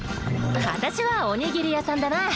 私はおにぎり屋さんだな。